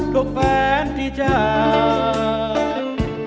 ทุกแฟนที่จาก